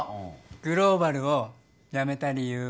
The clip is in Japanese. グローバルを辞めた理由は？